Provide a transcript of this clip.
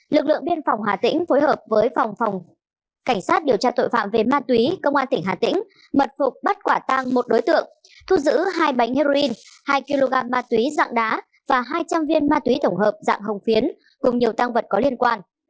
lực lượng biên phòng hà tĩnh phối hợp với phòng cảnh sát điều tra tội phạm về ma túy công an tỉnh hà tĩnh mật phục bắt quả tăng một đối tượng thu giữ hai bánh heroin hai kg ma túy dạng đá và hai trăm linh viên ma túy tổng hợp dạng hồng phiến cùng nhiều tăng vật có liên quan